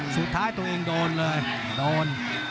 สุดท้ายตัวเองโดนเลยโดน